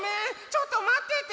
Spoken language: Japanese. ちょっとまってて。